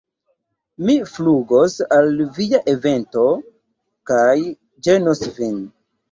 Mi flugos al via evento kaj ĝenos vin!